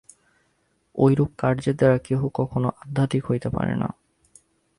ঐরূপ কার্যের দ্বারা কেহ কখনও আধ্যাত্মিক হইতে পারে না।